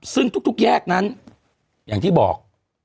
ซึ่งทุกแยกนั้นอย่างที่บอก